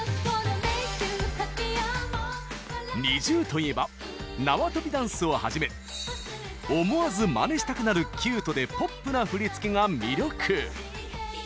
ＮｉｚｉＵといえば縄跳びダンスをはじめ思わずまねしたくなるキュートでポップな振り付けが魅力！